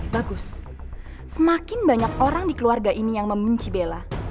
bagus semakin banyak orang di keluarga ini yang membenci bella